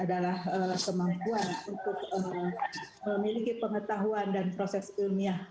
adalah kemampuan untuk memiliki pengetahuan dan proses ilmiah